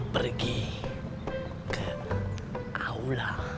pergi ke aula